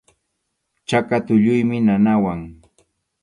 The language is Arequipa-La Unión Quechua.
Chaka tulluymi nanawan.